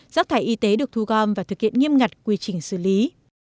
rác thải y tế được thu gom và thực hiện nghiêm ngặt quy trình xử lý